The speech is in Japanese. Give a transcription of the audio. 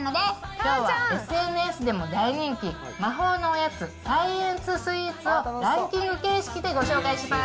きょうはＳＮＳでも大人気、魔法のおやつ、サイエンススイーツをランキング形式でご紹介します。